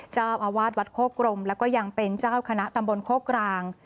เจ้าอาวาสวัดโคกรมแล้วก็ยังเป็นเจ้าคณะตำบลโคกกลาง